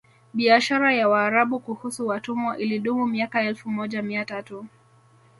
Biashara ya Waarabu kuhusu watumwa ilidumu miaka elfu moja mia tatu